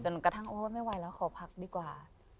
กระทั่งโอ้ไม่ไหวแล้วขอพักดีกว่า